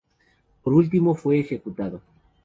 Por último fue ejecutado.